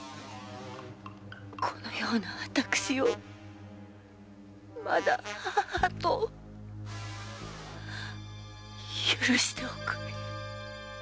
このような私をまだ“義母”と？許しておくれ。